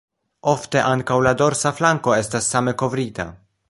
Ofte ankaŭ la dorsa flanko estas same kovrita.